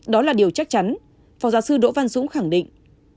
đó là điều chắc chắn phó giáo sư đỗ văn dũng khẳng định